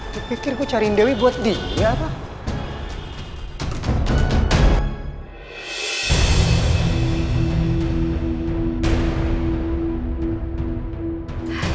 kepikir gue cariin dewi buat dia pak